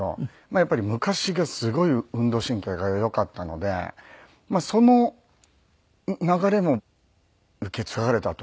やっぱり昔がすごい運動神経が良かったのでその流れも受け継がれたというか。